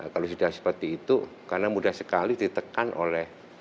kalau sudah seperti itu karena mudah sekali ditekan oleh